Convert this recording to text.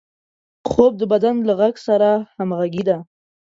خوب د بدن له غږ سره همغږي ده